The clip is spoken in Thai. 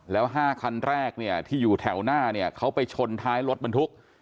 แล้ว๕คันแรกที่อยู่แถวหน้าเขาไปชนท้ายรถบรรทุก